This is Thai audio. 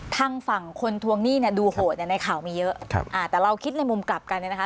ทางฝั่งคนทวงหนี้เนี่ยดูโหดเนี่ยในข่าวมีเยอะครับอ่าแต่เราคิดในมุมกลับกันเนี่ยนะคะ